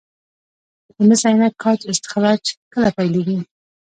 د مس عینک کان استخراج کله پیلیږي؟